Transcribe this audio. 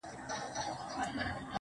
عاشقانه د رباطونو په درشل زه یم,